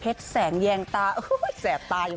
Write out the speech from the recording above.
เพชรแสงแยงตาแสบตาอยู่